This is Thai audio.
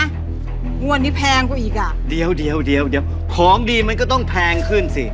งวดที่แพงกว่าอีกอ่ะเดี๋ยวเดี๋ยวเดี๋ยวเดี๋ยวของดีมันก็ต้องแพงขึ้นสิ